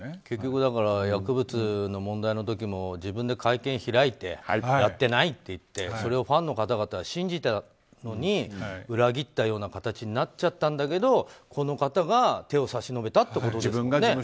結局、薬物の問題の時も自分で会見を開いてやってないって言ってそれをファンの方々は信じたのに裏切ったような形になっちゃったんだけどこの方が手を差し伸べたってことですよね。